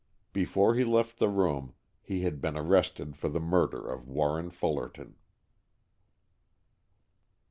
Before he left the room, he had been arrested for the murder of Warren Fullerton.